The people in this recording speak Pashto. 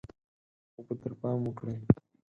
اوبه ته پام وکړئ.